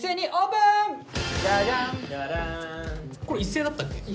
これ一斉だったっけ？